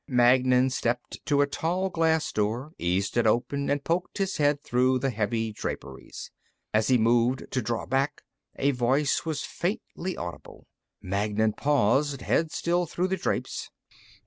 Magnan stepped to a tall glass door, eased it open and poked his head through the heavy draperies. As he moved to draw back, a voice was faintly audible. Magnan paused, head still through the drapes.